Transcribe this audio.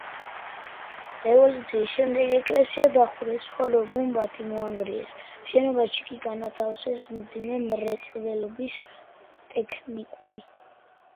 რევოლუციის შემდეგ ეკლესია დახურეს, ხოლო გუმბათი მოანგრიეს, შენობაში კი განათავსეს მძიმე მრეწველობის ტექნიკუმი.